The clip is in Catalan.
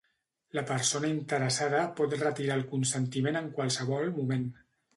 La persona interessada pot retirar el consentiment en qualsevol moment.